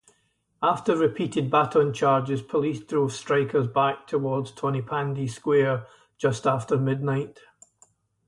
After repeated baton charges, police drove strikers back towards Tonypandy Square, just after midnight.